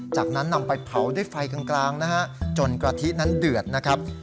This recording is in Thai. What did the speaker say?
จากนั้นนำไปเผาด้วยไฟกลางนะฮะจนกะทินั้นเดือดนะครับ